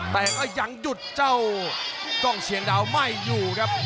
แต่ก็ยังหยุดเจ้ากล้องเชียงดาวไม่อยู่ครับ